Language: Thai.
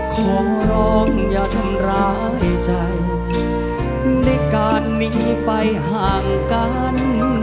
ขอร้องอย่าทำร้ายใจในการมีไปห่างกัน